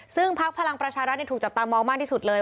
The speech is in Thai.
ซึ่งพักพลังประชารัฐถูกจับตามองมากที่สุดเลย